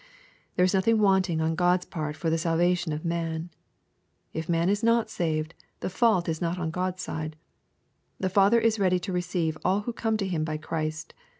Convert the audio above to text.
There is nothing wanting on God's part for the salva tion of man. If man is not saved, the fault is not pn God's side The Father is ready to receive all who come to Him by Christ.